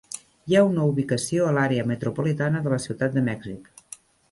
Hi ha una ubicació a l'àrea metropolitana de la Ciutat de Mèxic.